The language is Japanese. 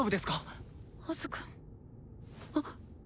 あ！